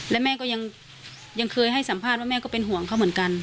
และแม่ก็ยังเคยให้สัมภาษณ์ว่าแม่ก็เป็นห่วงเขาเหมือนกัน